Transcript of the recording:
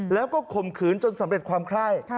แล้วก็ข่มขืนจนสำเร็จความไข้